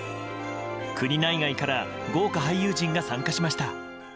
国内外から豪華俳優陣が参加しました。